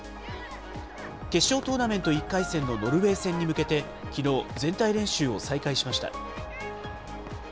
決勝トーナメント１回戦のノルウェー戦に向けて、きのう、全体練習を再開しました。